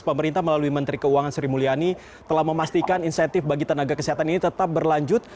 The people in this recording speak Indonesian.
pemerintah melalui menteri keuangan sri mulyani telah memastikan insentif bagi tenaga kesehatan ini tetap berlanjut